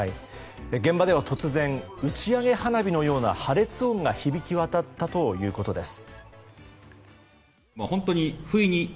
現場では突然打ち上げ花火のような破裂音が響き渡ったということです。